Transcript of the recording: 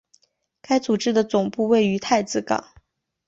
该组织的总部位于太子港。